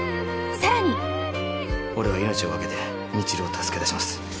さらに俺は命をかけて未知留を助け出します